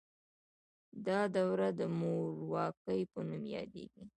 دا دوره د مورواکۍ په نوم یادیده.